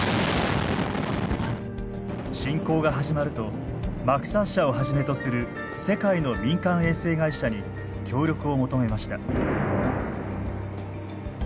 侵攻が始まるとマクサー社をはじめとする世界の民間衛星会社に協力を求めました。